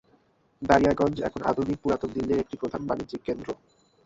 দারিয়াগঞ্জ এখনও আধুনিক পুরাতন দিল্লির একটি প্রধান বাণিজ্যিক কেন্দ্র।